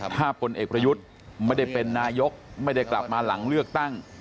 ถ้าพลเอกประยุทธ์ไม่ได้เป็นนายกไม่ได้กลับมาหลังเลือกตั้ง